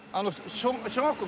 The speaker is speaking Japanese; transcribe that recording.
小学校？